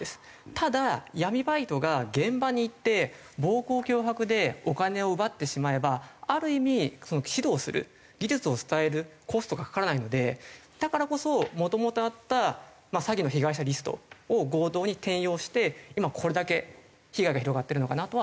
ただ闇バイトが現場に行って暴行脅迫でお金を奪ってしまえばある意味指導する技術を伝えるコストがかからないのでだからこそもともとあった詐欺の被害者リストを強盗に転用して今これだけ被害が広がってるのかなとは。